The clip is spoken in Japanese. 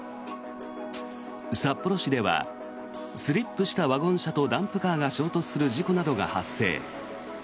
札幌市ではスリップしたワゴン車とダンプカーが衝突する事故などが発生。